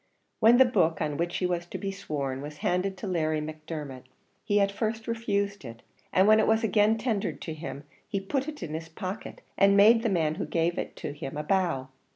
When the book, on which he was to be sworn, was handed to Larry Macdermot, he at first refused it, and when it was again tendered to him, he put it in his pocket, and made the man who gave it to him a bow.